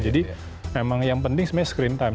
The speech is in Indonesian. jadi emang yang penting sebenarnya screen time